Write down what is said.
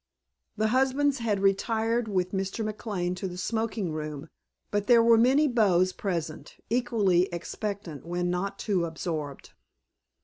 The husbands had retired with Mr. McLane to the smoking room, but there were many beaux present, equally expectant when not too absorbed.